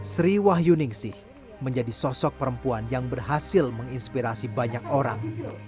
sri wahyu ningsih menjadi sosok perempuan yang berhasil menginspirasi banyak orang